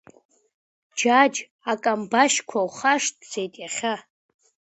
Џьаџь, акамбашьқәа ухашҭӡеит иахьа?